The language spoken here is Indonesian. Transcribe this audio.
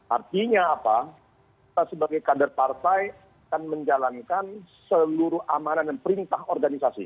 artinya apa kita sebagai kader partai akan menjalankan seluruh amanah dan perintah organisasi